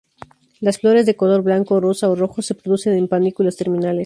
Las flores de color blanco, rosa o rojo se producen en panículas terminales.